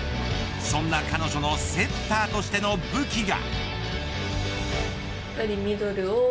そんな彼女のセッターとしての武器が。